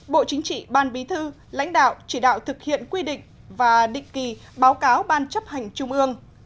bộ chính trị ban bí thư lãnh đạo chỉ đạo thực hiện quy định và định kỳ báo cáo ban chấp hành trung ương